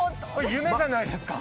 夢じゃないですか。